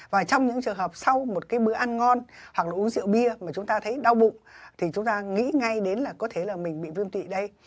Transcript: và trong những trường hợp sau một cái bữa ăn ngon hoặc là uống rượu bia mà chúng ta thấy đau bụng thì chúng ta nghĩ ngay đến là có thể là mình bị vương tụy đây